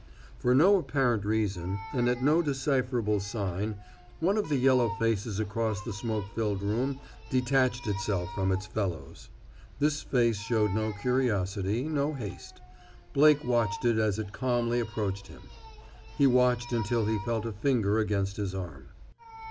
For no apparent reason, and at no decipherable sign, one of the yellow faces across the smoke filled room detached itself from its fellows. This face showed no curiosity, no haste. Blake watched it as it calmly approached him. He watched until he felt a finger against his arm.